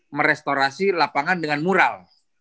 yang merestorasi lapangan dengan mural